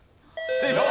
正解！